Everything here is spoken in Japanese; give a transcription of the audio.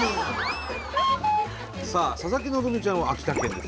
さあ佐々木希ちゃんは秋田県ですよね。